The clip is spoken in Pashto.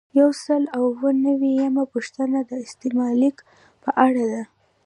یو سل او اووه نوي یمه پوښتنه د استملاک په اړه ده.